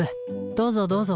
どうぞどうぞ。